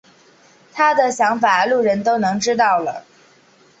他的想法路人都能知道了。